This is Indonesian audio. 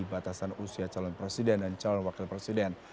batasan usia calon presiden dan calon wakil presiden